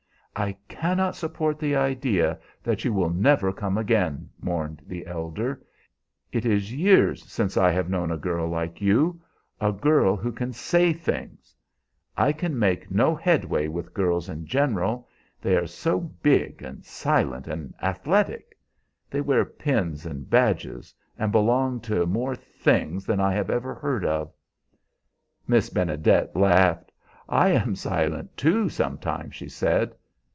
"I cannot support the idea that you will never come again," mourned the elder. "It is years since I have known a girl like you a girl who can say things. I can make no headway with girls in general. They are so big and silent and athletic. They wear pins and badges, and belong to more things than I have ever heard of!" Miss Benedet laughed. "I am silent, too, sometimes," she said.